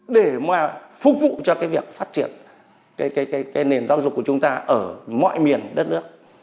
để mà phục vụ cho cái việc phát triển cái cái cái cái nền giáo dục của chúng ta ở mọi miền đất nước